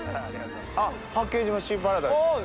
あっ八景島シーパラダイス。